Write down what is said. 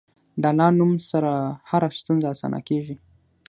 د الله نوم سره هره ستونزه اسانه کېږي.